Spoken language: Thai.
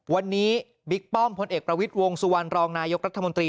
วันนี้บิ๊กป้อมพลเอกประวิทย์วงสุวรรณรองนายกรัฐมนตรี